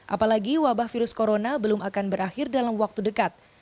apalagi wabah virus corona belum akan berakhir dalam waktu dekat